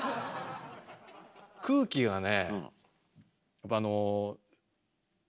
空気がね